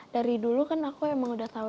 dari dulu kan aku emang udah tahu